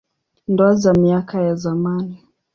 Ndoa za miaka ya zamani.